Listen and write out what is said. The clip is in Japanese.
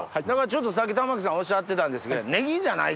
ちょっとさっき玉木さんおっしゃってたんですけど。